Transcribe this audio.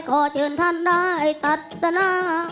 ขอเจอท่านได้ตัศนา